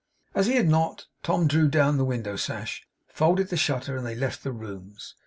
As he had not, Tom drew down the window sash, and folded the shutter; and they left the rooms.